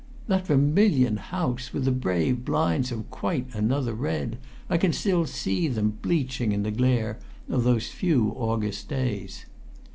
That vermilion house with the brave blinds of quite another red! I can still see them bleaching in the glare of those few August days.